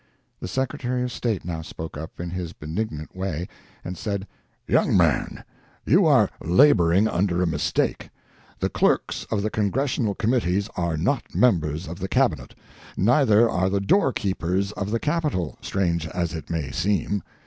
The Secretary of State now spoke up, in his benignant way, and said, "Young man, you are laboring under a mistake. The clerks of the Congressional committees are not members of the Cabinet. Neither are the doorkeepers of the Capitol, strange as it may seem.